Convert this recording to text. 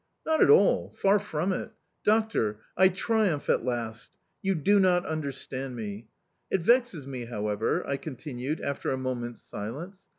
"Not at all, far from it!... Doctor, I triumph at last! You do not understand me!... It vexes me, however," I continued after a moment's silence.